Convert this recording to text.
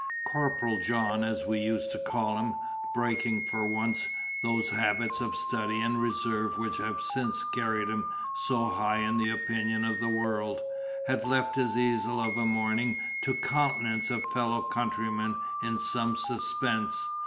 "Corporal John" (as we used to call him) breaking for once those habits of study and reserve which have since carried him so high in the opinion of the world, had left his easel of a morning to countenance a fellow countryman in some suspense.